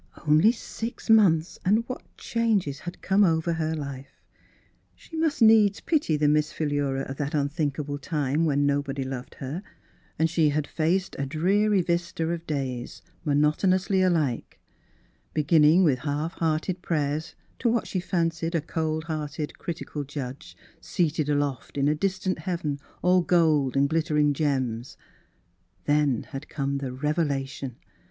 Only six months and what changes had come over her life. She must needs pity the Miss Philura of that unthinkable time when nobody loved her, and she had faced [ 8] Miss Fhilura's Wedding Gown a dreary vista of days, monotonously alike, beginning with half hearted prayers to what she fancied a cold hearted, criti cal Judge, seated aloft in a distant heaven all gold and glittering gems; then had come the revelation.